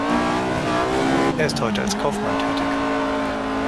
Er ist heute als Kaufmann tätig.